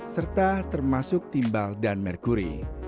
serta termasuk timbal dan merkuri